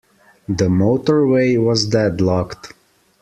The motorway was deadlocked.